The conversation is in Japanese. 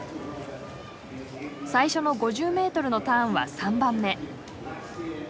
最初の５０ｍのターンは３番目。